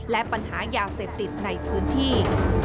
และปัญหายาเสพติดในพื้นที่